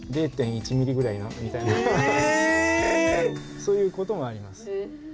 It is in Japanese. そういうこともあります。